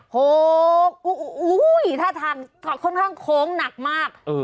โค้งทางโค้งขักแค่นั้นนักมาก